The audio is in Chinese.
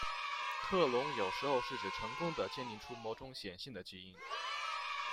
克隆有时候是指成功地鉴定出某种显性的基因。